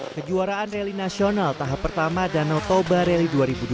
kejuaraan rally nasional tahap pertama danau toba rally dua ribu dua puluh